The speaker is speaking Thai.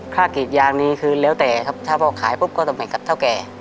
กรีดยางนี้คือแล้วแต่ครับถ้าพ่อขายปุ๊บก็ตำแหน่งกับเท่าแก่